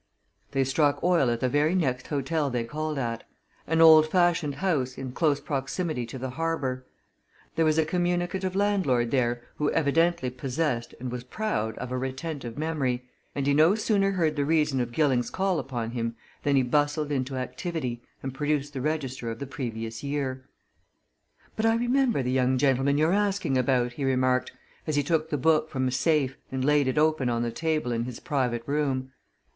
They struck oil at the very next hotel they called at an old fashioned house in close proximity to the harbour. There was a communicative landlord there who evidently possessed and was proud of a retentive memory, and he no sooner heard the reason of Gilling's call upon him than he bustled into activity, and produced the register of the previous year. "But I remember the young gentleman you're asking about," he remarked, as he took the book from a safe and laid it open on the table in his private room.